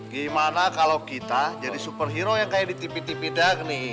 gimana kalau kita jadi superhero yang kayak di tv tv dagni